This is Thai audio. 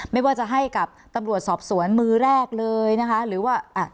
ไม่ว่าจะให้กับตำรวจสอบสวนมือแรกเลยนะคะหรือว่าอ่ะ